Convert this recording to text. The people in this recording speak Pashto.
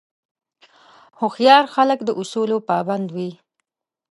هوښیار خلک د اصولو پابند وي.